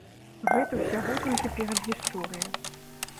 Гэта ўсяго толькі перадгісторыя.